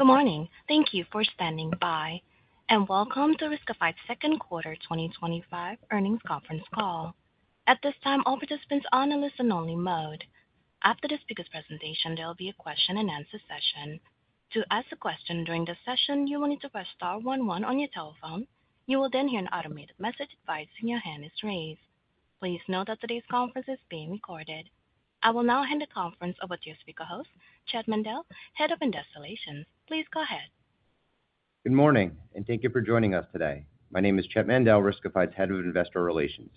Good morning. Thank you for standing by and welcome to the Riskified Second Quarter 2025 earnings conference call. At this time, all participants are on a listen-only mode. After this speaker's presentation, there will be a question-and-answer session. To ask a question during this session, you will need to press *11 on your telephone. You will then hear an automated message advising your hand is raised. Please note that today's conference is being recorded. I will now hand the conference over to your speaker host, Chett Mandel, Head of Investor Relations. Please go ahead. Good morning and thank you for joining us today. My name is Chett Mandel, Riskified's Head of Investor Relations.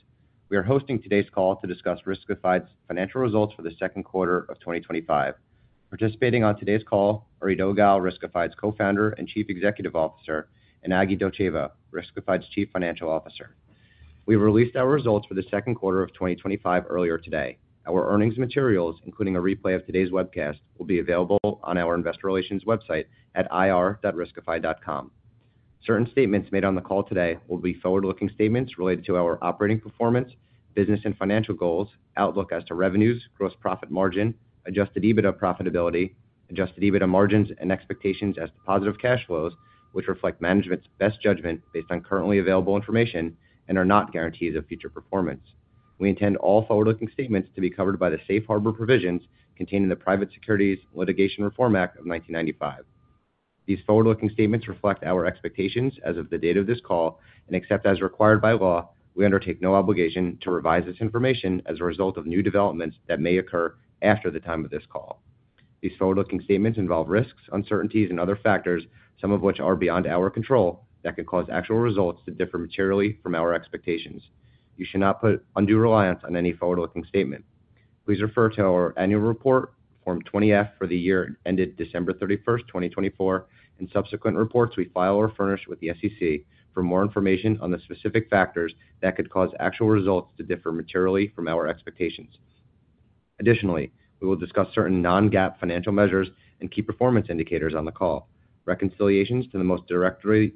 We are hosting today's call to discuss Riskified's financial results for the second quarter of 2025. Participating on today's call are Eido Gal, Riskified's Co-Founder and Chief Executive Officer, and Agi Dotcheva, Riskified's Chief Financial Officer. We have released our results for the second quarter of 2025 earlier today. Our earnings materials, including a replay of today's webcast, will be available on our Investor Relations website at ir.riskified.com. Certain statements made on the call today will be forward-looking statements related to our operating performance, business and financial goals, outlook as to revenues, gross profit margin, adjusted EBITDA profitability, adjusted EBITDA margins, and expectations as to positive cash flows, which reflect management's best judgment based on currently available information and are not guarantees of future performance. We intend all forward-looking statements to be covered by the Safe Harbor provisions contained in the Private Securities Litigation Reform Act of 1995. These forward-looking statements reflect our expectations as of the date of this call and except as required by law. We undertake no obligation to revise this information as a result of new developments that may occur after the time of this call. These forward-looking statements involve risks, uncertainties, and other factors, some of which are beyond our control, that can cause actual results to differ materially from our expectations. You should not put undue reliance on any forward-looking statement. Please refer to our annual report, Form 20-F, for the year ended December 31, 2024, and subsequent reports we file or furnish with the SEC for more information on the specific factors that could cause actual results to differ materially from our expectations. Additionally, we will discuss certain non-GAAP financial measures and key performance indicators on the call. Reconciliations to the most directly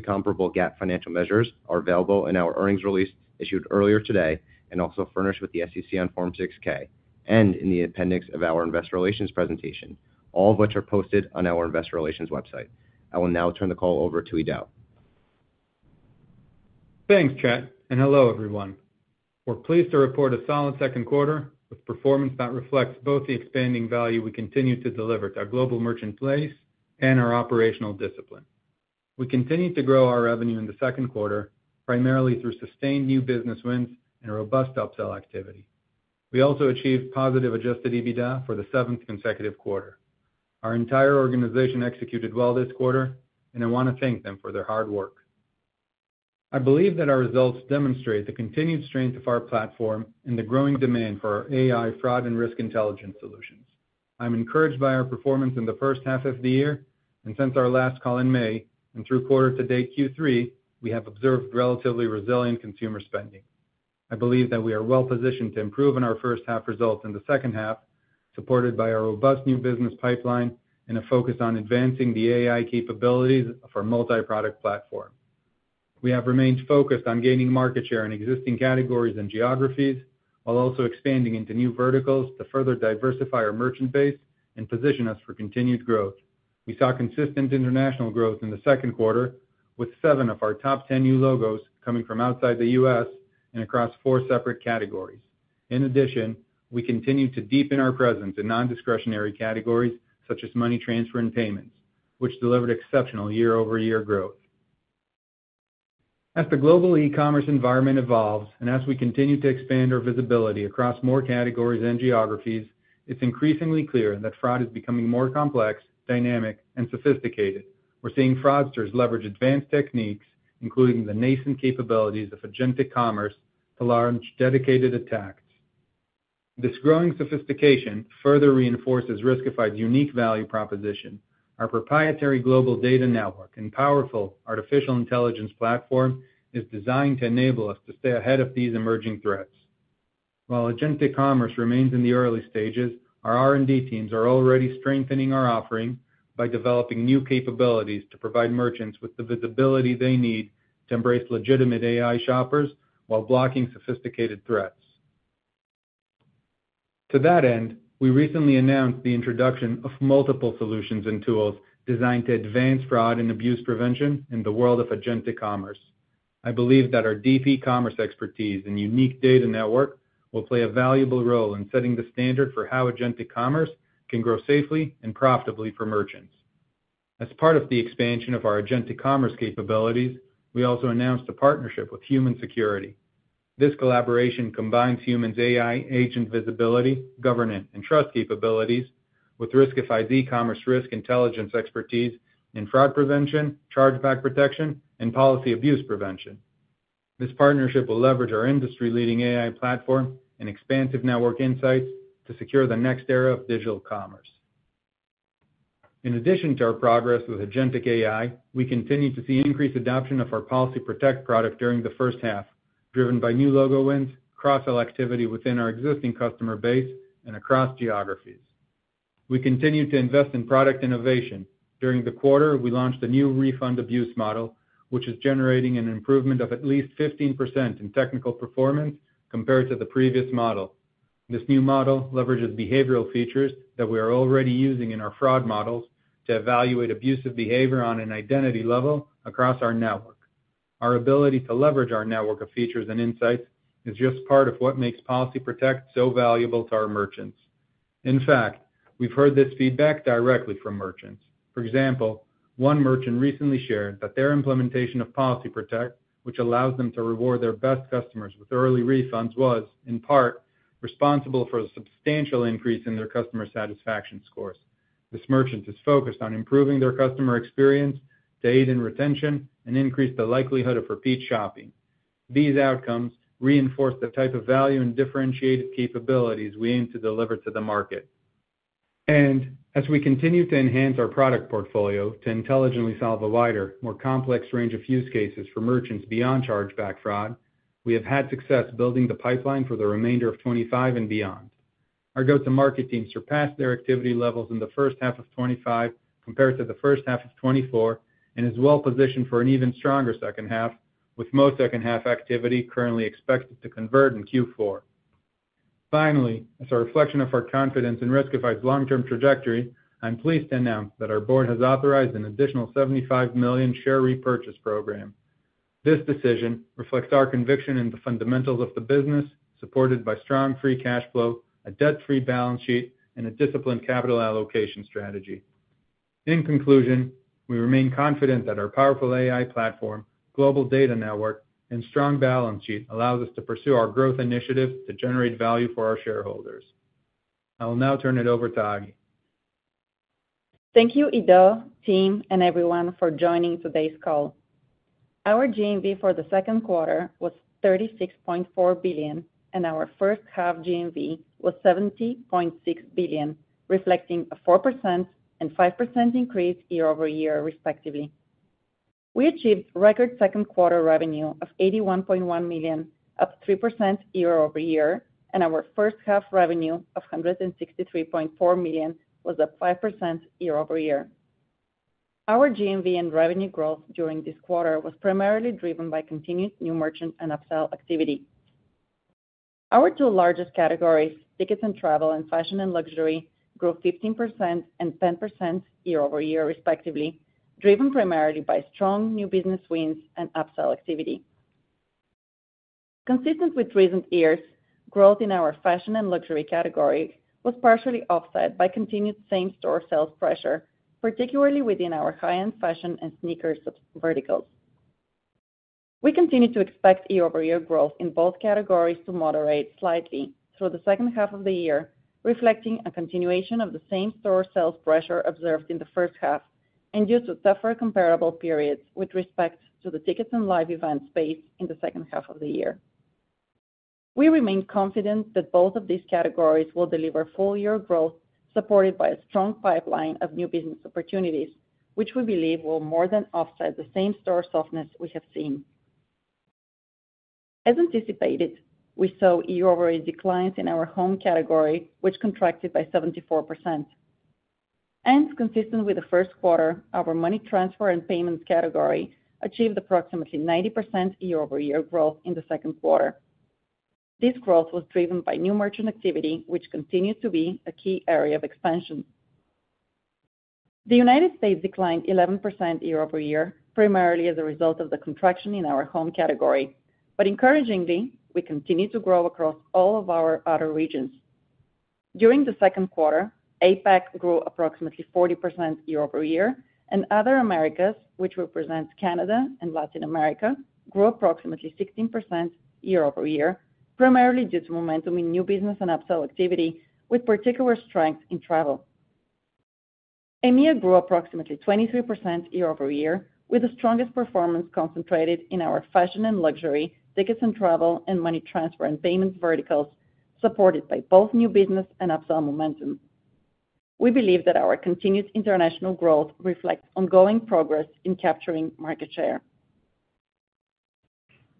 comparable GAAP financial measures are available in our earnings release issued earlier today and also furnished with the SEC on Form 6-K and in the appendix of our Investor Relations presentation, all of which are posted on our Investor Relations website. I will now turn the call over to Eido. Thanks, Chett, and hello everyone. We're pleased to report a solid second quarter with performance that reflects both the expanding value we continue to deliver to our global merchant base and our operational discipline. We continued to grow our revenue in the second quarter, primarily through sustained new business wins and robust upsell activity. We also achieved positive adjusted EBITDA for the seventh consecutive quarter. Our entire organization executed well this quarter, and I want to thank them for their hard work. I believe that our results demonstrate the continued strength of our platform and the growing demand for our AI-driven fraud and risk intelligence solutions. I'm encouraged by our performance in the first half of the year, and since our last call in May and through quarter to date Q3, we have observed relatively resilient consumer spending. I believe that we are well positioned to improve on our first half results in the second half, supported by our robust new business pipeline and a focus on advancing the AI capabilities of our multi-product platform. We have remained focused on gaining market share in existing categories and geographies, while also expanding into new verticals to further diversify our merchant base and position us for continued growth. We saw consistent international growth in the second quarter, with seven of our top 10 new logos coming from outside the U.S., and across four separate categories. In addition, we continued to deepen our presence in non-discretionary categories such as money transfer and payments, which delivered exceptional year-over-year growth. As the global e-commerce environment evolves and as we continue to expand our visibility across more categories and geographies, it's increasingly clear that fraud is becoming more complex, dynamic, and sophisticated. We're seeing fraudsters leverage advanced techniques, including the nascent capabilities of agentic commerce, to launch dedicated attacks. This growing sophistication further reinforces Riskified's unique value proposition. Our proprietary global data network and powerful artificial intelligence platform are designed to enable us to stay ahead of these emerging threats. While agentic commerce remains in the early stages, our R&D teams are already strengthening our offering by developing new capabilities to provide merchants with the visibility they need to embrace legitimate AI shoppers while blocking sophisticated threats. To that end, we recently announced the introduction of multiple solutions and tools designed to advance fraud and abuse prevention in the world of agentic commerce. I believe that our deep e-commerce expertise and unique global data network will play a valuable role in setting the standard for how agentic commerce can grow safely and profitably for merchants. As part of the expansion of our agentic commerce capabilities, we also announced a partnership with Human Security. This collaboration combines Human's AI agent visibility, governance, and trust capabilities with Riskified's e-commerce risk intelligence expertise in fraud prevention, chargeback protection, and policy abuse prevention. This partnership will leverage our industry-leading proprietary AI platform and expansive network insights to secure the next era of digital commerce. In addition to our progress with Agentic AI, we continue to see increased adoption of our Policy Protect product during the first half, driven by new logo wins, cross-sell activity within our existing customer base, and across geographies. We continue to invest in product innovation. During the quarter, we launched a new refund abuse model, which is generating an improvement of at least 15% in technical performance compared to the previous model. This new model leverages behavioral features that we are already using in our fraud models to evaluate abusive behavior on an identity level across our network. Our ability to leverage our network of features and insights is just part of what makes Policy Protect so valuable to our merchants. In fact, we've heard this feedback directly from merchants. For example, one merchant recently shared that their implementation of Policy Protect, which allows them to reward their best customers with early refunds, was, in part, responsible for a substantial increase in their customer satisfaction scores. This merchant is focused on improving their customer experience to aid in retention and increase the likelihood of repeat shopping. These outcomes reinforce the type of value and differentiated capabilities we aim to deliver to the market. As we continue to enhance our product portfolio to intelligently solve a wider, more complex range of use cases for merchants beyond chargeback fraud, we have had success building the pipeline for the remainder of 2025 and beyond. Our go-to-market team surpassed their activity levels in the first half of 2025 compared to the first half of 2024 and is well positioned for an even stronger second half, with most second half activity currently expected to convert in Q4. Finally, as a reflection of our confidence in Riskified's long-term trajectory, I'm pleased to announce that our board has authorized an additional $75 million share repurchase program. This decision reflects our conviction in the fundamentals of the business, supported by strong free cash flow, a debt-free balance sheet, and a disciplined capital allocation strategy. In conclusion, we remain confident that our powerful AI platform, global data network, and strong balance sheet allow us to pursue our growth initiatives to generate value for our shareholders. I will now turn it over to Agi. Thank you, Eido, team, and everyone for joining today's call. Our GMV for the second quarter was $36.4 billion, and our first half GMV was $70.6 billion, reflecting a 4% and 5% increase year-over-year, respectively. We achieved record second quarter revenue of $81.1 million, up 3% year-over-year, and our first half revenue of $163.4 million was up 5% year-over-year. Our GMV and revenue growth during this quarter was primarily driven by continued new merchant and upsell activity. Our two largest categories, tickets and travel, and fashion and luxury, grew 15% and 10% year-over-year, respectively, driven primarily by strong new business wins and upsell activity. Consistent with recent years, growth in our fashion and luxury category was partially offset by continued same-store sales pressure, particularly within our high-end fashion and sneakers verticals. We continue to expect year-over-year growth in both categories to moderate slightly through the second half of the year, reflecting a continuation of the same-store sales pressure observed in the first half and due to a tougher comparable period with respect to the tickets and live events space in the second half of the year. We remain confident that both of these categories will deliver full-year growth supported by a strong pipeline of new business opportunities, which we believe will more than offset the same-store softness we have seen. As anticipated, we saw year-over-year declines in our home category, which contracted by 74%. Consistent with the first quarter, our money transfer and payments category achieved approximately 90% year-over-year growth in the second quarter. This growth was driven by new merchant activity, which continued to be a key area of expansion. The United States declined 11% year-over-year, primarily as a result of the contraction in our home category. Encouragingly, we continue to grow across all of our outer regions. During the second quarter, APAC grew approximately 40% year-over-year and other Americas, which represents Canada and Latin America, grew approximately 16% year-over-year, primarily due to momentum in new business and upsell activity, with particular strength in travel. EMEA grew approximately 23% year-over-year, with the strongest performance concentrated in our fashion and luxury, tickets and travel, and money transfer and payments verticals, supported by both new business and upsell momentum. We believe that our continued international growth reflects ongoing progress in capturing market share.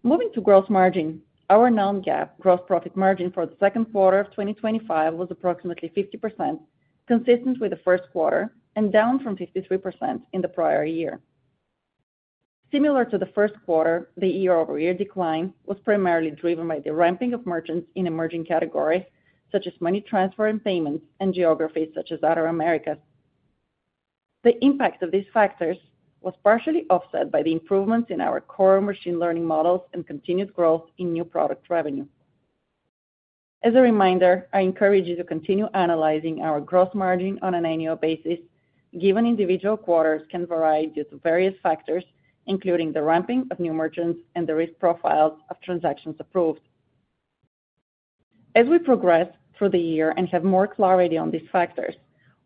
Moving to gross margin, our non-GAAP gross profit margin for the second quarter of 2025 was approximately 50%, consistent with the first quarter, and down from 53% in the prior year. Similar to the first quarter, the year-over-year decline was primarily driven by the ramping of merchants in emerging categories, such as money transfer and payments, and geographies such as outer Americas. The impact of these factors was partially offset by the improvements in our core machine learning models and continued growth in new product revenue. As a reminder, I encourage you to continue analyzing our gross margin on an annual basis, given individual quarters can vary due to various factors, including the ramping of new merchants and the risk profiles of transactions approved. As we progress through the year and have more clarity on these factors,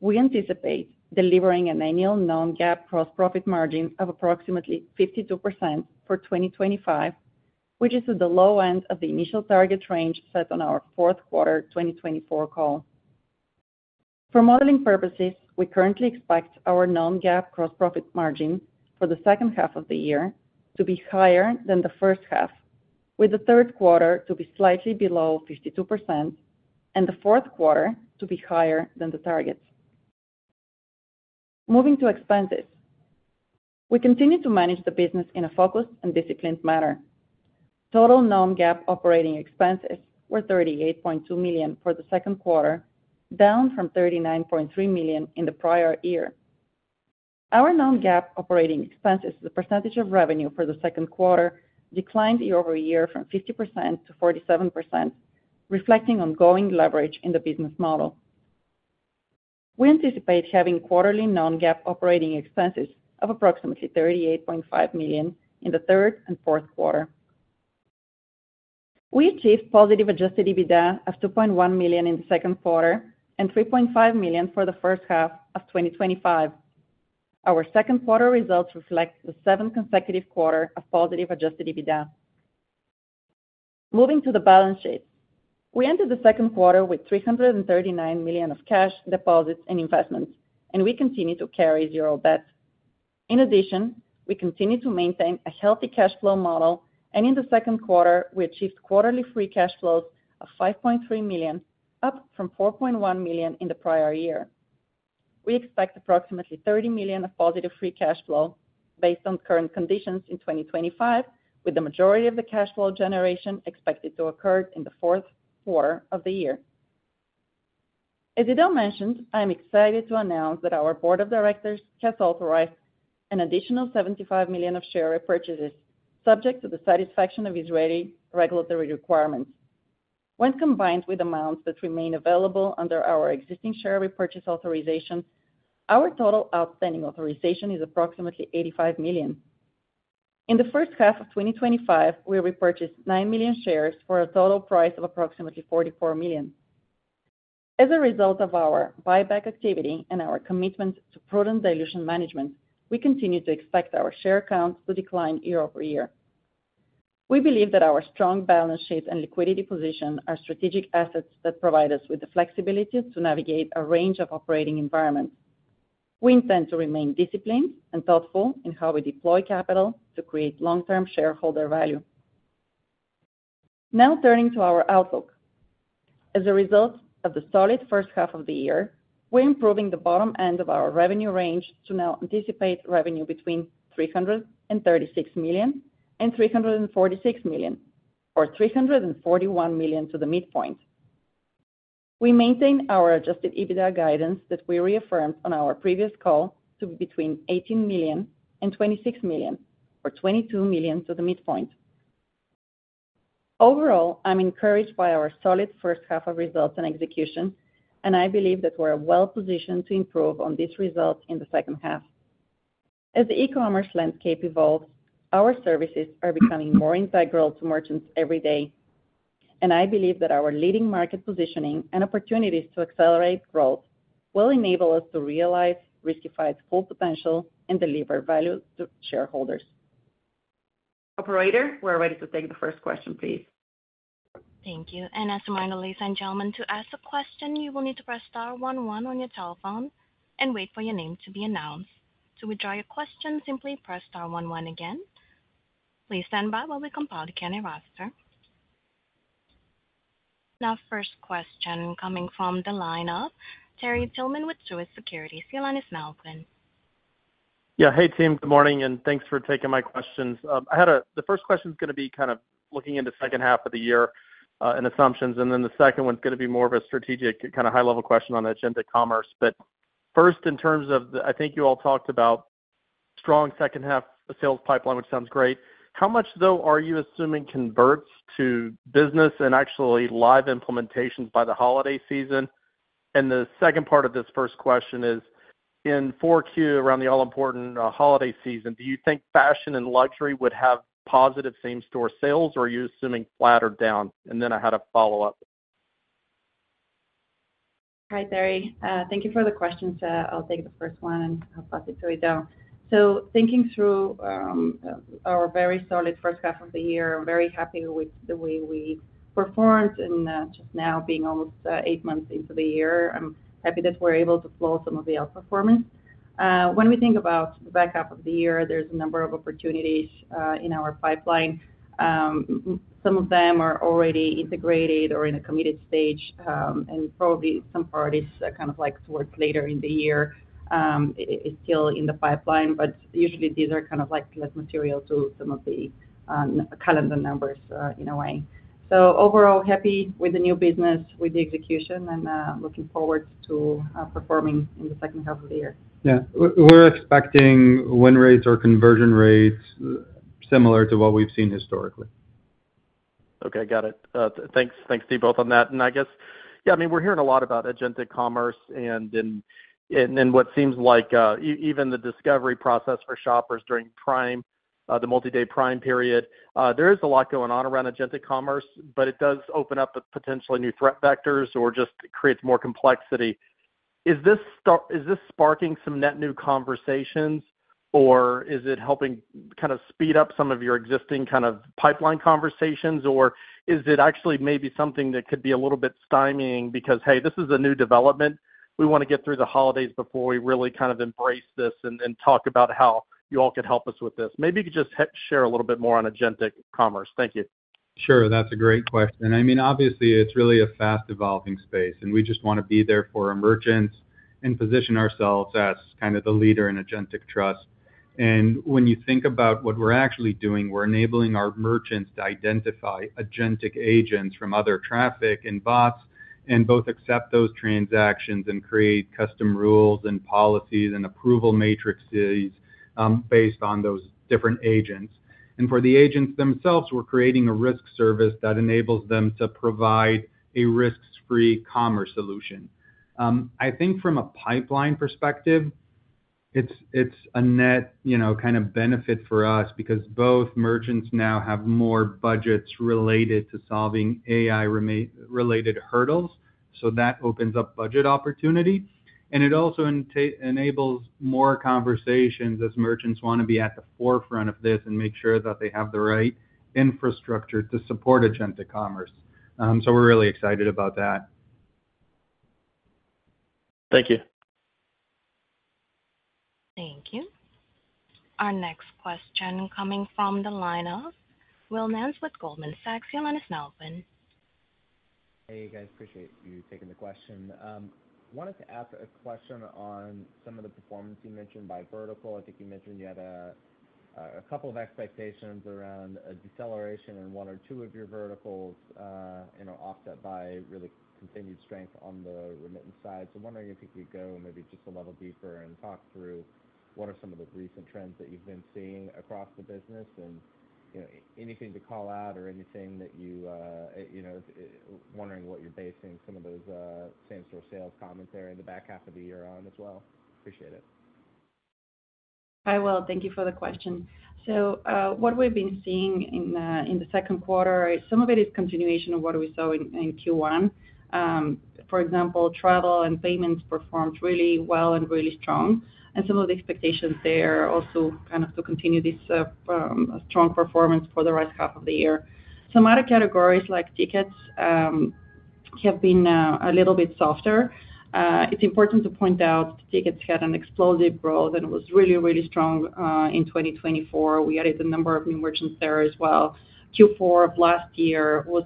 we anticipate delivering an annual non-GAAP gross profit margin of approximately 52% for 2025, which is at the low end of the initial target range set on our fourth quarter 2024 call. For modeling purposes, we currently expect our non-GAAP gross profit margin for the second half of the year to be higher than the first half, with the third quarter to be slightly below 52% and the fourth quarter to be higher than the target. Moving to expenses, we continue to manage the business in a focused and disciplined manner. Total non-GAAP operating expenses were $38.2 million for the second quarter, down from $39.3 million in the prior year. Our non-GAAP operating expenses to the percentage of revenue for the second quarter declined year-over-year from 50%-47%, reflecting ongoing leverage in the business model. We anticipate having quarterly non-GAAP operating expenses of approximately $38.5 million in the third and fourth quarter. We achieved positive adjusted EBITDA of $2.1 million in the second quarter and $3.5 million for the first half of 2025. Our second quarter results reflect the seventh consecutive quarter of positive adjusted EBITDA. Moving to the balance sheet, we ended the second quarter with $339 million of cash, deposits, and investments, and we continue to carry zero debt. In addition, we continue to maintain a healthy cash flow model, and in the second quarter, we achieved quarterly free cash flows of $5.3 million, up from $4.1 million in the prior year. We expect approximately $30 million of positive free cash flow based on current conditions in 2025, with the majority of the cash flow generation expected to occur in the fourth quarter of the year. As Eido mentioned, I'm excited to announce that our Board of Directors has authorized an additional $75 million of share repurchases subject to the satisfaction of Israeli regulatory requirements. When combined with the amounts that remain available under our existing share repurchase authorization, our total outstanding authorization is approximately $85 million. In the first half of 2025, we repurchased 9 million shares for a total price of approximately $44 million. As a result of our buyback activity and our commitment to prudent dilution management, we continue to expect our share counts to decline year-over-year. We believe that our strong balance sheet and liquidity position are strategic assets that provide us with the flexibility to navigate a range of operating environments. We intend to remain disciplined and thoughtful in how we deploy capital to create long-term shareholder value. Now turning to our outlook, as a result of the solid first half of the year, we're improving the bottom end of our revenue range to now anticipate revenue between $336 million and $346 million, or $341 million at the midpoint. We maintain our adjusted EBITDA guidance that we reaffirmed on our previous call to be between $18 million and $26 million, or $22 million at the midpoint. Overall, I'm encouraged by our solid first half of results and execution, and I believe that we're well positioned to improve on these results in the second half. As the e-commerce landscape evolves, our services are becoming more integral to merchants every day, and I believe that our leading market positioning and opportunities to accelerate growth will enable us to realize Riskified's full potential and deliver value to shareholders. Operator, we're ready to take the first question, please. Thank you. As a reminder, ladies and gentlemen, to ask a question, you will need to press Star, one, one on your telephone and wait for your name to be announced. To withdraw your question, simply press Star, one, one again. Please stand by while we compile the candidate roster. Now, first question coming from the lineup, Terrell Tillman with Truist Securities. The line is now open. Yeah, hey team, good morning and thanks for taking my questions. I had a, the first question is going to be kind of looking into the second half of the year and assumptions, and then the second one is going to be more of a strategic kind of high-level question on agentic commerce. First, in terms of the, I think you all talked about a strong second half sales pipeline, which sounds great. How much though are you assuming converts to business and actually live implementation by the holiday season? The second part of this first question is, in 4Q around the all-important holiday season, do you think fashion and luxury would have positive same-store sales, or are you assuming flat or down? I had a follow-up. Hi, Terry. Thank you for the question. I'll take the first one and pass it to Eido. Thinking through our very solid first half of the year, I'm very happy with the way we performed and just now being almost eight months into the year, I'm happy that we're able to show some of the outperformance. When we think about the back half of the year, there's a number of opportunities in our pipeline. Some of them are already integrated or in a committed stage, and probably some parties towards later in the year are still in the pipeline, but usually these are less material to some of the calendar numbers in a way. Overall, happy with the new business, with the execution, and looking forward to performing in the second half of the year. Yeah, we're expecting win rates or conversion rates similar to what we've seen historically. Okay, got it. Thanks, thanks to you both on that. I guess, yeah, I mean, we're hearing a lot about agentic commerce and in what seems like even the discovery process for shoppers during Prime, the multi-day Prime period. There is a lot going on around agentic commerce, but it does open up potentially new threat vectors or just creates more complexity. Is this sparking some net new conversations, or is it helping kind of speed up some of your existing kind of pipeline conversations, or is it actually maybe something that could be a little bit stymieing because, hey, this is a new development, we want to get through the holidays before we really kind of embrace this and talk about how you all could help us with this? Maybe you could just share a little bit more on agentic commerce. Thank you. Sure, that's a great question. Obviously, it's really a fast-evolving space, and we just want to be there for our merchants and position ourselves as kind of the leader in agentic trust. When you think about what we're actually doing, we're enabling our merchants to identify agentic agents from other traffic and bots, and both accept those transactions and create custom rules and policies and approval matrices based on those different agents. For the agents themselves, we're creating a risk service that enables them to provide a risk-free commerce solution. I think from a pipeline perspective, it's a net kind of benefit for us because both merchants now have more budgets related to solving AI-related hurdles. That opens up budget opportunity, and it also enables more conversations as merchants want to be at the forefront of this and make sure that they have the right infrastructure to support agentic commerce. We're really excited about that. Thank you. Thank you. Our next question coming from the lineup, Will Nance with Goldman Sachs. The line is now open. Hey, guys, appreciate you taking the question. I wanted to ask a question on some of the performance you mentioned by vertical. I think you mentioned you had a couple of expectations around a deceleration in one or two of your verticals, offset by really continued strength on the remittance side. I'm wondering if you could go maybe just a little deeper and talk through what are some of the recent trends that you've been seeing across the business, and anything to call out or anything that you are wondering what you're basing some of those same-store sales commentary in the back half of the year on as well. Appreciate it. Hi, Will. Thank you for the question. What we've been seeing in the second quarter, some of it is a continuation of what we saw in Q1. For example, travel and payments performed really well and really strong. Some of the expectations there are also kind of to continue this strong performance for the rest half of the year. Some other categories like tickets have been a little bit softer. It's important to point out tickets had explosive growth and was really, really strong in 2024. We added a number of new merchants there as well. Q4 of last year was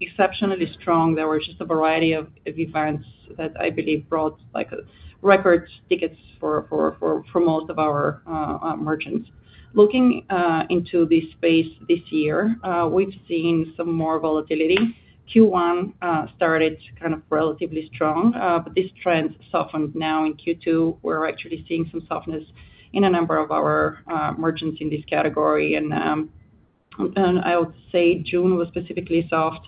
exceptionally strong. There were just a variety of events that I believe brought record tickets for most of our merchants. Looking into this space this year, we've seen some more volatility. Q1 started kind of relatively strong, but this trend softened now in Q2. We're actually seeing some softness in a number of our merchants in this category. I would say June was specifically soft.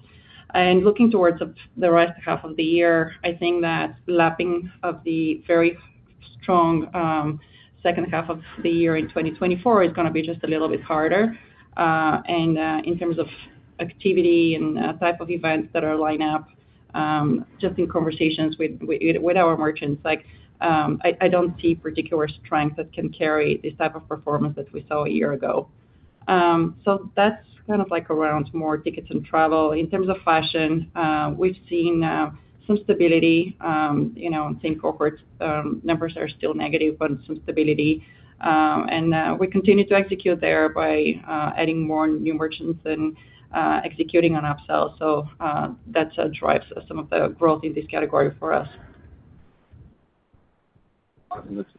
Looking towards the rest half of the year, I think that lapping of the very strong second half of the year in 2024 is going to be just a little bit harder. In terms of activity and type of events that are lining up, just in conversations with our merchants, I don't see particular strength that can carry this type of performance that we saw a year ago. That's kind of like around more tickets and travel. In terms of fashion, we've seen some stability. Same corporate numbers are still negative, but some stability. We continue to execute there by adding more new merchants and executing on upsell. That drives some of the growth in this category for us.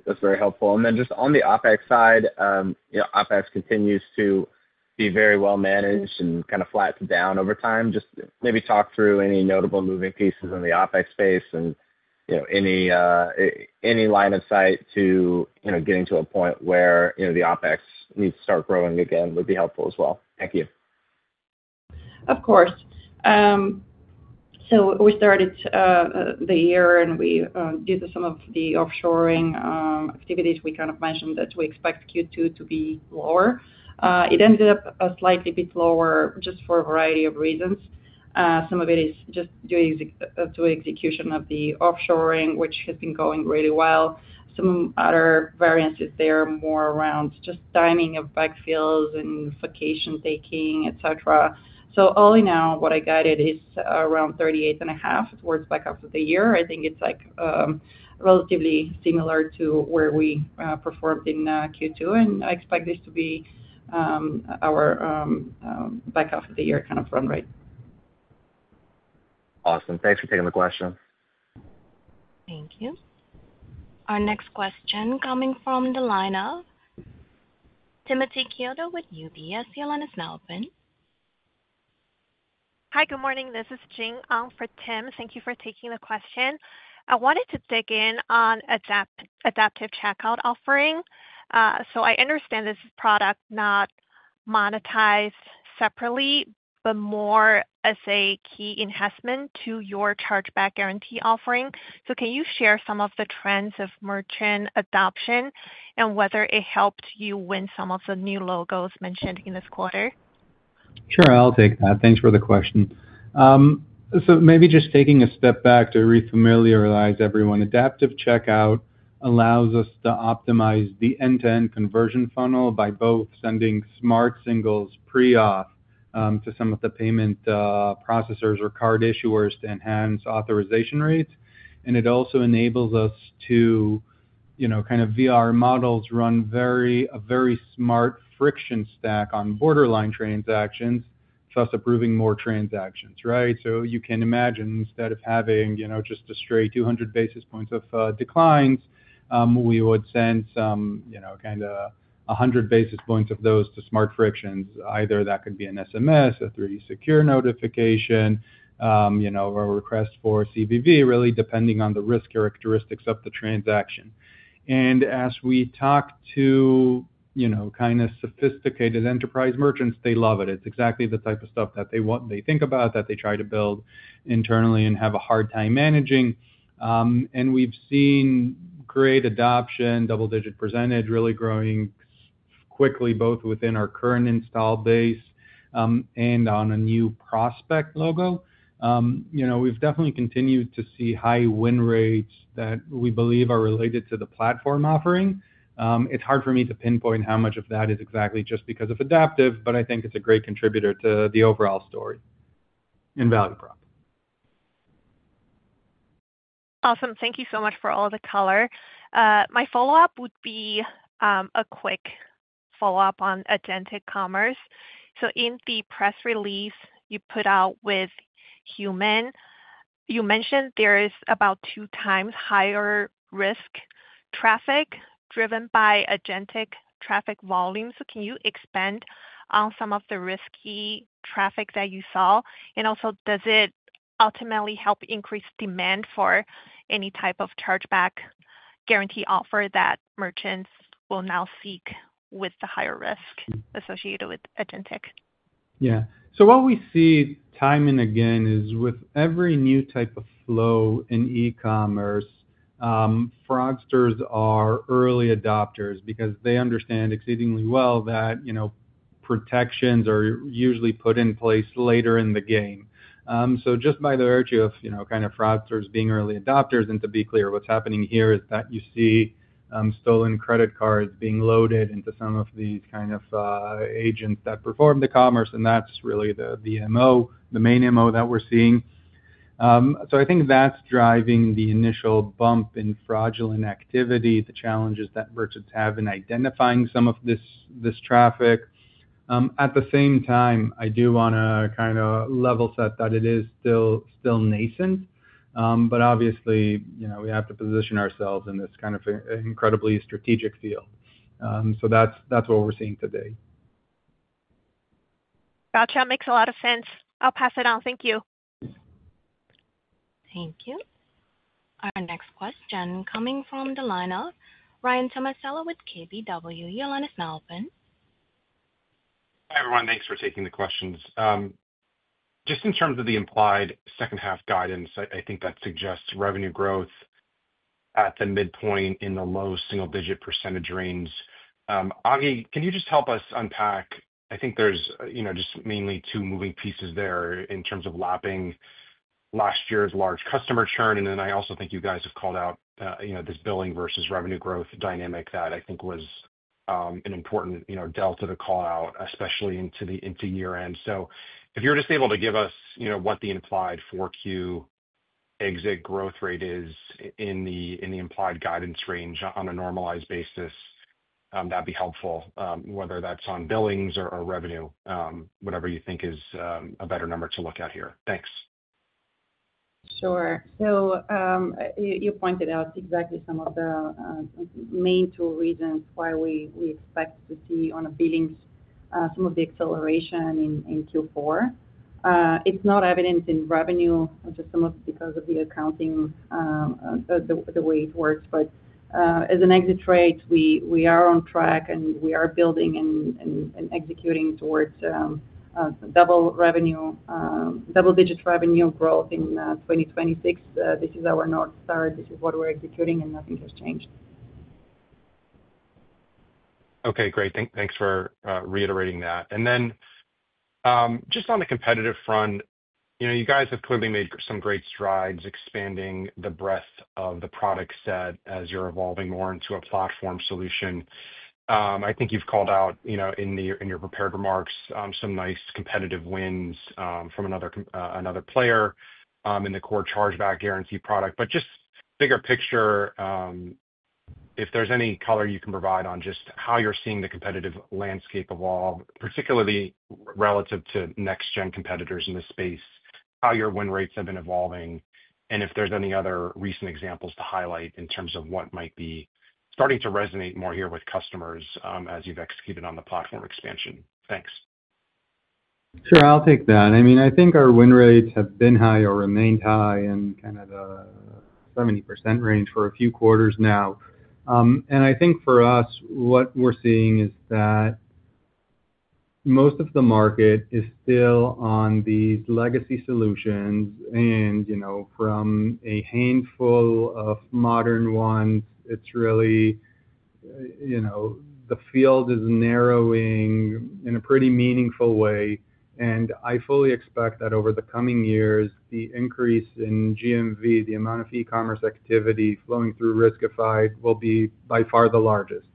That's very helpful. On the OpEx side, you know, OpEx continues to be very well managed and kind of flat to down over time. Just maybe talk through any notable moving pieces in the OpEx space and any line of sight to getting to a point where the OpEx needs to start growing again would be helpful as well. Thank you. Of course. We started the year and we did some of the offshoring activities. We kind of mentioned that we expect Q2 to be lower. It ended up a slightly bit lower just for a variety of reasons. Some of it is just due to the execution of the offshoring, which has been going really well. Some other variances there are more around just timing of backfills and vacation taking, etc. All in all, what I guided is around $38.5 million towards the back half of the year. I think it's relatively similar to where we performed in Q2. I expect this to be our back half of the year kind of run rate. Awesome. Thanks for taking the question. Thank you. Our next question coming from the lineup. Timothy Chiodo with UBS. The line is now open. Hi, good morning. This is Jing for Tim. Thank you for taking the question. I wanted to dig in on Adaptive Checkout offering. I understand this is a product not monetized separately, but more as a key enhancement to your Chargeback Guarantee offering. Can you share some of the trends of merchant adoption and whether it helped you win some of the new logos mentioned in this quarter? Sure, I'll take that. Thanks for the question. Maybe just taking a step back to re-familiarize everyone, Adaptive Checkout allows us to optimize the end-to-end conversion funnel by both sending smart signals pre-auth to some of the payment processors or card issuers to enhance authorization rates. It also enables us to have our models run a very smart friction stack on borderline transactions, thus approving more transactions, right? You can imagine instead of having just a straight 200 basis points of declines, we would send some, kind of 100 basis points of those to smart frictions. Either that could be an SMS, a 3D Secure notification, or a request for CVV, really depending on the risk characteristics of the transaction. As we talk to sophisticated enterprise merchants, they love it. It's exactly the type of stuff that they want, they think about, that they try to build internally and have a hard time managing. We've seen great adoption, double-digit percentage really growing quickly both within our current installed base and on a new prospect logo. We've definitely continued to see high win rates that we believe are related to the platform offering. It's hard for me to pinpoint how much of that is exactly just because of Adaptive, but I think it's a great contributor to the overall story and value prop. Awesome. Thank you so much for all the color. My follow-up would be a quick follow-up on agentic commerce. In the press release you put out with Human, you mentioned there is about 2x higher risk traffic driven by agentic traffic volume. Can you expand on some of the risky traffic that you saw? Also, does it ultimately help increase demand for any type of Chargeback Guarantee offer that merchants will now seek with the higher risk associated with agentic? Yeah. What we see time and again is with every new type of flow in e-commerce, fraudsters are early adopters because they understand exceedingly well that protections are usually put in place later in the game. Just by the virtue of fraudsters being early adopters, and to be clear, what's happening here is that you see stolen credit cards being loaded into some of these agents that perform the commerce, and that's really the main MO that we're seeing. I think that's driving the initial bump in fraudulent activity, the challenges that merchants have in identifying some of this traffic. At the same time, I do want to level set that it is still nascent, but obviously, we have to position ourselves in this incredibly strategic field. That's what we're seeing today. Gotcha. Makes a lot of sense. I'll pass it on. Thank you. Thank you. Our next question coming from the lineup. Ryan Tomasello with KBW. The line is now open. Hi everyone, thanks for taking the questions. Just in terms of the implied second half guidance, I think that suggests revenue growth at the midpoint in the low single-digit percentage range. Agi, can you just help us unpack? I think there's just mainly two moving pieces there in terms of lapping last year's large customer churn. I also think you guys have called out this billing versus revenue growth dynamic that I think was an important delta to call out, especially into the year end. If you're just able to give us what the implied 4Q exit growth rate is in the implied guidance range on a normalized basis, that'd be helpful, whether that's on billings or revenue, whatever you think is a better number to look at here. Thanks. Sure. You pointed out exactly some of the main two reasons why we expect to see on a billing some of the acceleration in Q4. It's not evident in revenue, just some of it because of the accounting, the way it works. As an exit rate, we are on track and we are building and executing towards double-digit revenue growth in 2026. This is our north star. This is what we're executing and nothing has changed. Okay, great. Thanks for reiterating that. Just on the competitive front, you guys have clearly made some great strides expanding the breadth of the product set as you're evolving more into a platform solution. I think you've called out in your prepared remarks some nice competitive wins from another player in the core Chargeback Guarantee product. Bigger picture, if there's any color you can provide on just how you're seeing the competitive landscape evolve, particularly relative to next-gen competitors in this space, how your win rates have been evolving, and if there's any other recent examples to highlight in terms of what might be starting to resonate more here with customers as you've executed on the platform expansion. Thanks. Sure, I'll take that. I think our win rates have been high or remained high in the 70% range for a few quarters now. I think for us, what we're seeing is that most of the market is still on these legacy solutions. From a handful of modern ones, the field is narrowing in a pretty meaningful way. I fully expect that over the coming years, the increase in GMV, the amount of e-commerce activity flowing through Riskified, will be by far the largest.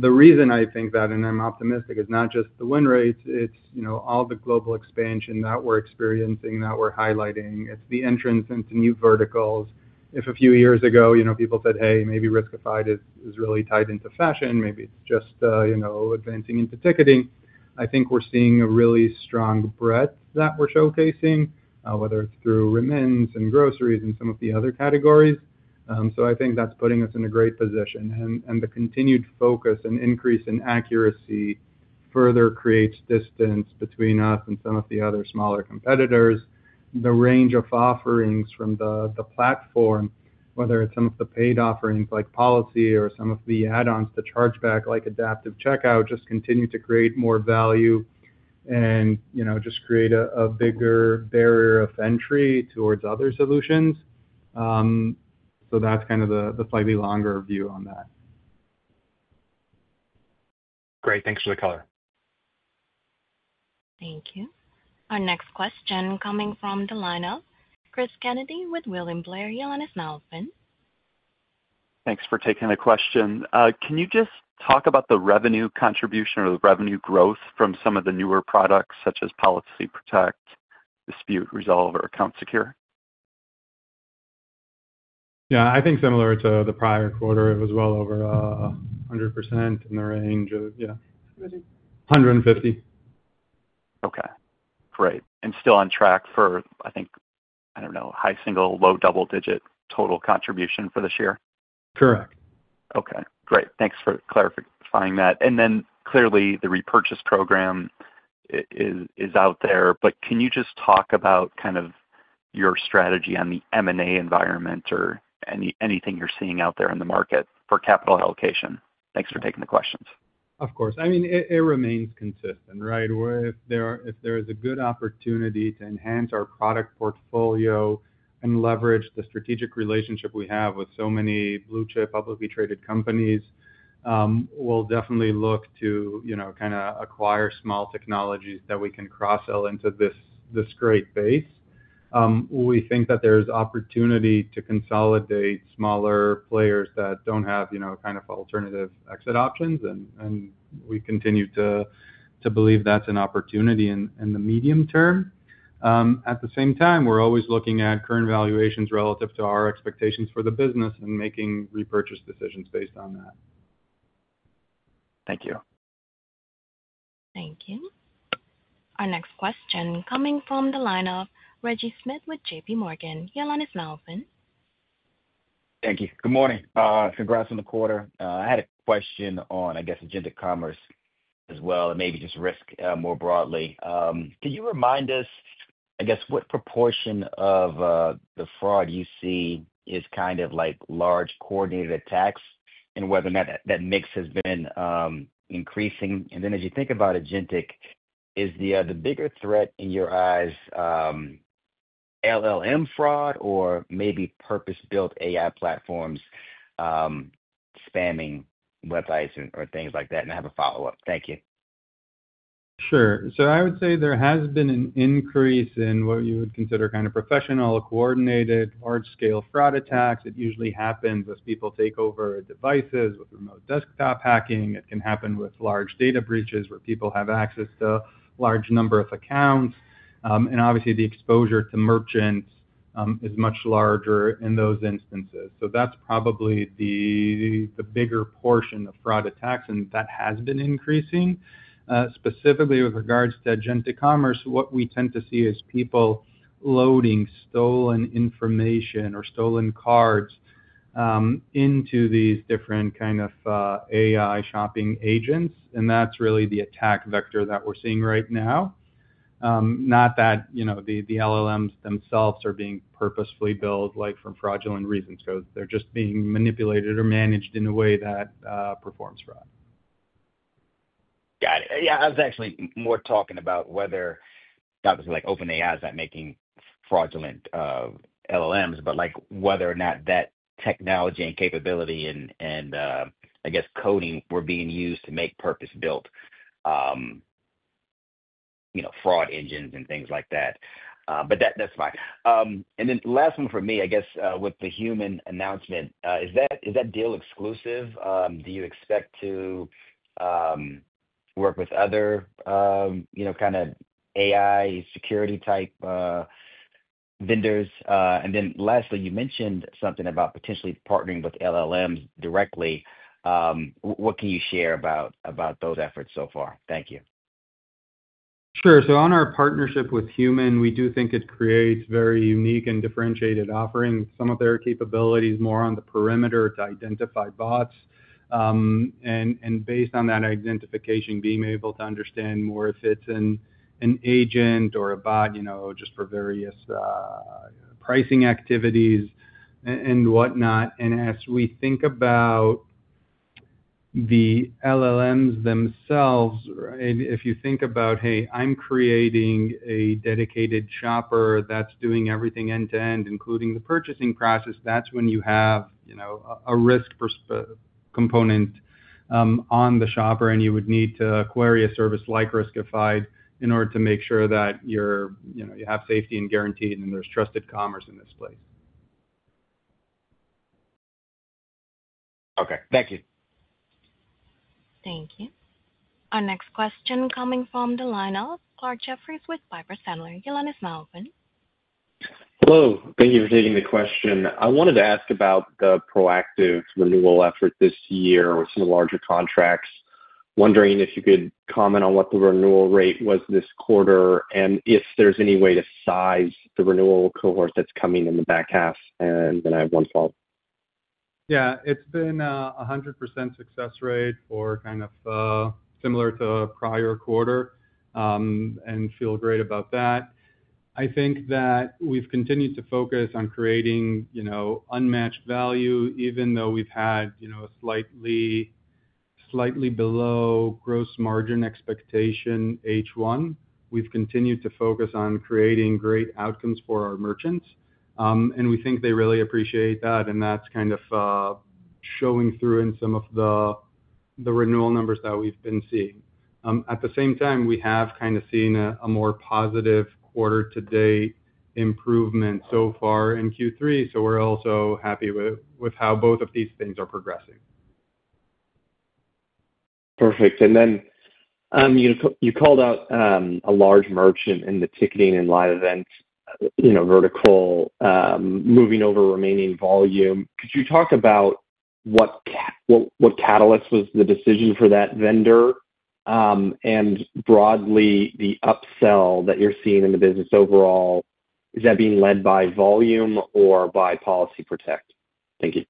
The reason I think that, and I'm optimistic, is not just the win rates, it's all the global expansion that we're experiencing, that we're highlighting. It's the entrance into new verticals. If a few years ago, people said, "Hey, maybe Riskified is really tied into fashion, maybe it's just advancing into ticketing," I think we're seeing a really strong breadth that we're showcasing, whether it's through remittance and groceries and some of the other categories. I think that's putting us in a great position. The continued focus and increase in accuracy further creates distance between us and some of the other smaller competitors. The range of offerings from the platform, whether it's some of the paid offerings like Policy Protect or some of the add-ons to Chargeback Guarantee like Adaptive Checkout, just continue to create more value and create a bigger barrier of entry towards other solutions. That's the slightly longer view on that. Great, thanks for the color. Thank you. Our next question coming from the lineup. Chris Kennedy with William Blair. The line is now open. Thanks for taking the question. Can you just talk about the revenue contribution or the revenue growth from some of the newer products such as Policy Protect, Dispute Resolve, or Account Secure? Yeah, I think similar to the prior quarter, it was well over 100% in the range of 150%. Okay, great. Still on track for, I think, I don't know, high single, low double-digit total contribution for this year? Correct. Okay, great. Thanks for clarifying that. Clearly the share repurchase program is out there, but can you just talk about your strategy on the M&A environment or anything you're seeing out there in the market for capital allocation? Thanks for taking the questions. Of course. I mean, it remains consistent, right? If there is a good opportunity to enhance our product portfolio and leverage the strategic relationship we have with so many blue-chip publicly traded companies, we'll definitely look to acquire small technologies that we can cross-sell into this great base. We think that there's opportunity to consolidate smaller players that don't have alternative exit options, and we continue to believe that's an opportunity in the medium term. At the same time, we're always looking at current valuations relative to our expectations for the business and making repurchase decisions based on that. Thank you. Thank you. Our next question coming from the lineup. Reggie Smith with JPMorgan. The line is now open. Thank you. Good morning. Congrats on the quarter. I had a question on, I guess, Agentic commerce as well, and maybe just risk more broadly. Can you remind us what proportion of the fraud you see is kind of like large coordinated attacks, and whether or not that mix has been increasing? As you think about agentic, is the bigger threat in your eyes LLM fraud or maybe purpose-built AI platforms spamming websites or things like that? I have a follow-up. Thank you. Sure. I would say there has been an increase in what you would consider kind of professional, coordinated, large-scale fraud attacks. It usually happens with people taking over devices, with remote desktop hacking. It can happen with large data breaches where people have access to a large number of accounts. Obviously, the exposure to merchants is much larger in those instances. That's probably the bigger portion of fraud attacks, and that has been increasing. Specifically, with regards to agentic commerce, what we tend to see is people loading stolen information or stolen cards into these different kind of AI shopping agents. That's really the attack vector that we're seeing right now. Not that the LLMs themselves are being purposefully built for fraudulent reasons, because they're just being manipulated or managed in a way that performs fraud. Got it. I was actually more talking about whether, obviously, like OpenAI is not making fraudulent LLMs, but whether or not that technology and capability and, I guess, coding were being used to make purpose-built fraud engines and things like that. That's fine. The last one for me, with the Huma announcement, is that deal exclusive? Do you expect to work with other, you know, kind of AI security type vendors? Lastly, you mentioned something about potentially partnering with LLMs directly. What can you share about those efforts so far? Thank you. Sure. On our partnership with Huma, we do think it creates very unique and differentiated offerings. Some of their capabilities are more on the perimeter to identify bots, and based on that identification, being able to understand more if it's an agent or a bot, just for various pricing activities and whatnot. As we think about the LLMs themselves, if you think about, hey, I'm creating a dedicated shopper that's doing everything end-to-end, including the purchasing process, that's when you have a risk component on the shopper, and you would need to query a service like Riskified in order to make sure that you have safety and guarantee, and then there's trusted commerce in this place. Okay, thank you. Thank you. Our next question coming from the lineup. Clarke Jeffries with Piper Sandler. The line is now open. Hello. Thank you for taking the question. I wanted to ask about the proactive renewal effort this year or some of the larger contracts. Wondering if you could comment on what the renewal rate was this quarter, and if there's any way to size the renewal cohort that's coming in the back half, and then I have one follow-up. Yeah, it's been a 100% success rate, kind of similar to the prior quarter, and feel great about that. I think that we've continued to focus on creating, you know, unmatched value, even though we've had, you know, a slightly below gross margin expectation H1. We've continued to focus on creating great outcomes for our merchants, and we think they really appreciate that. That's kind of showing through in some of the renewal numbers that we've been seeing. At the same time, we have kind of seen a more positive quarter-to-date improvement so far in Q3. We're also happy with how both of these things are progressing. Perfect. You called out a large merchant in the ticketing and live events vertical, moving over remaining volume. Could you talk about what catalyst was the decision for that vendor, and broadly the upsell that you're seeing in the business overall? Is that being led by volume or by Policy Protect? Thank you.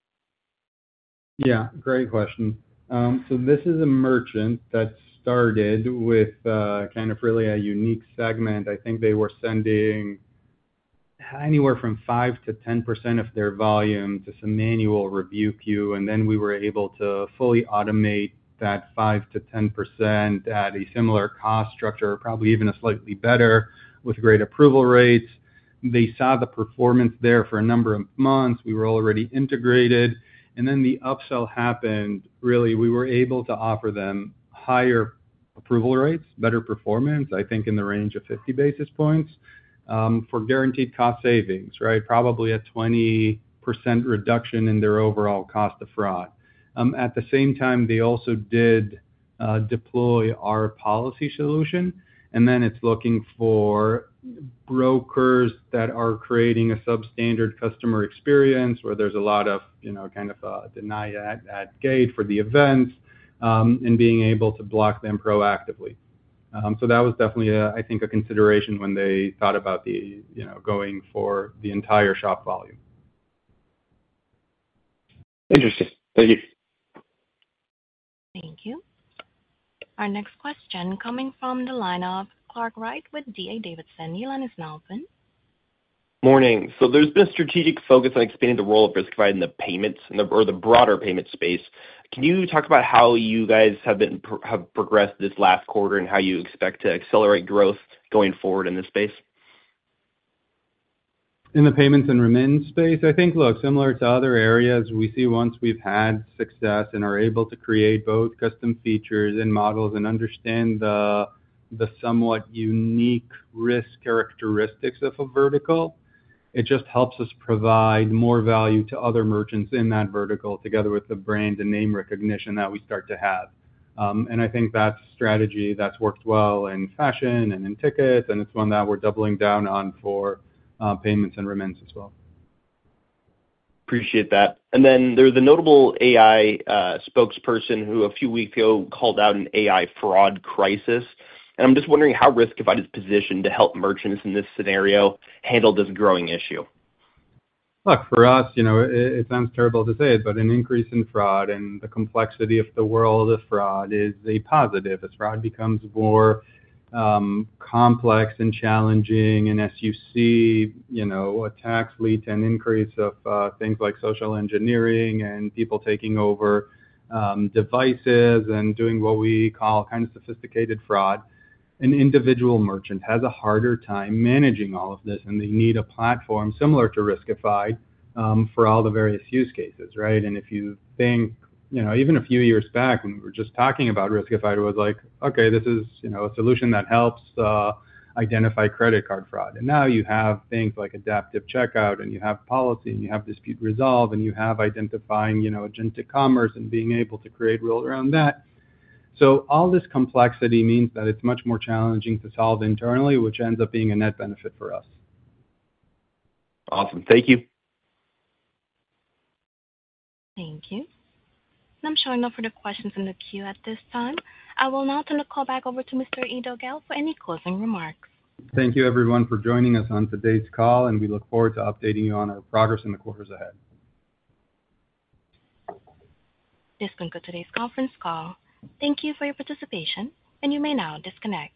Yeah, great question. This is a merchant that started with kind of really a unique segment. I think they were sending anywhere from 5%-10% of their volume to some manual review queue, and we were able to fully automate that 5%-10% at a similar cost structure, or probably even slightly better, with great approval rates. They saw the performance there for a number of months. We were already integrated. The upsell happened. We were able to offer them higher approval rates, better performance, I think in the range of 50 basis points for guaranteed cost savings, right? Probably a 20% reduction in their overall cost of fraud. At the same time, they also did deploy our Policy Protect solution. It is looking for brokers that are creating a substandard customer experience where there's a lot of, you know, kind of denial at gate for the events and being able to block them proactively. That was definitely, I think, a consideration when they thought about going for the entire shop volume. Interesting. Thank you. Thank you. Our next question coming from the lineup. Clark Wright with D.A. Davidson. The line is now open. There's been a strategic focus on expanding the role of Riskified in the payments or the broader payments space. Can you talk about how you guys have progressed this last quarter and how you expect to accelerate growth going forward in this space? In the payments and remittance space, I think similar to other areas, we see once we've had success and are able to create both custom features and models and understand the somewhat unique risk characteristics of a vertical, it just helps us provide more value to other merchants in that vertical together with the brand and name recognition that we start to have. I think that's a strategy that's worked well in fashion and in tickets, and it's one that we're doubling down on for payments and remittance as well. Appreciate that. There was a notable AI spokesperson who a few weeks ago called out an AI fraud crisis. I'm just wondering how Riskified is positioned to help merchants in this scenario handle this growing issue. Look, for us, it sounds terrible to say it, but an increase in fraud and the complexity of the world of fraud is a positive. As fraud becomes more complex and challenging, as you see, attacks lead to an increase of things like social engineering and people taking over devices and doing what we call kind of sophisticated fraud, an individual merchant has a harder time managing all of this, and they need a platform similar to Riskified for all the various use cases, right? If you think, even a few years back when we were just talking about Riskified, it was like, okay, this is a solution that helps identify credit card fraud. Now you have things like Adaptive Checkout, and you have Policy Protect, and you have Dispute Resolve, and you have identifying Agentic commerce and being able to create rules around that. All this complexity means that it's much more challenging to solve internally, which ends up being a net benefit for us. Awesome. Thank you. Thank you. I'm showing no further questions in the queue at this time. I will now turn the call back over to Mr. Eido Gal for any closing remarks. Thank you, everyone, for joining us on today's call. We look forward to updating you on our progress in the quarters ahead. This concludes today's conference call. Thank you for your participation, and you may now disconnect.